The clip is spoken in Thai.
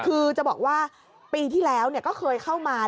คือจะบอกว่าปีที่แล้วก็เคยเข้ามา